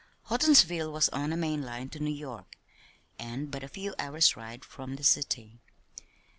Houghtonsville was on a main line to New York, and but a few hours' ride from the city.